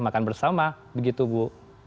makan bersama begitu bu